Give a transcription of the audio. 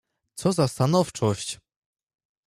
"Co za stanowczość!"